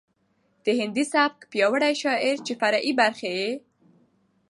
د هندي سبک پيرو شاعر چې فرعي برخې يې